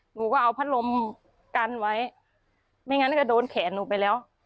หนูก็เอาพัดลมกันไว้ไม่งั้นก็โดนแขนหนูไปแล้ว